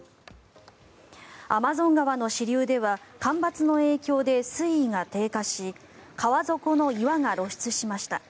アマゾン川の支流では干ばつの影響で水位が低下し川底の岩が露出しました。